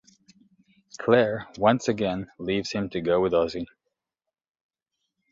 Claire once again leaves him to go with Ozzie.